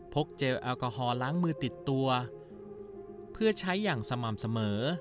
เจลแอลกอฮอลล้างมือติดตัวเพื่อใช้อย่างสม่ำเสมอ